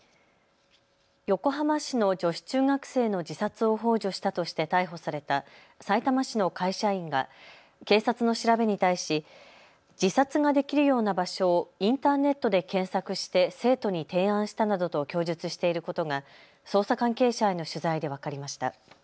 横浜市の女子中学生の自殺をほう助したとして逮捕されたさいたま市の会社員が警察の調べに対し自殺ができるような場所をインターネットで検索して生徒に提案したなどと供述していることが捜査関係者への取材で分かりました。